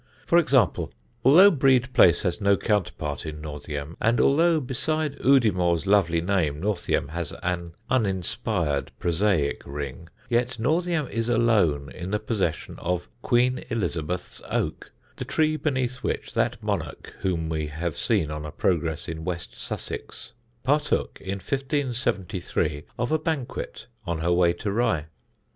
For example, although Brede Place has no counterpart in Northiam, and although beside Udimore's lovely name Northiam has an uninspired prosaic ring, yet Northiam is alone in the possession of Queen Elizabeth's Oak, the tree beneath which that monarch, whom we have seen on a progress in West Sussex, partook in 1573 of a banquet, on her way to Rye.